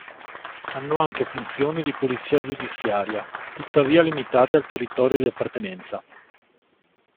Hanno anche funzione di polizia giudiziaria tuttavia limitate al territorio di appartenenza.